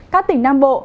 các tỉnh nam bộ